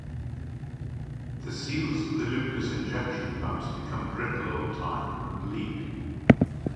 The seals of the Lucas injection pumps become brittle over time and leak.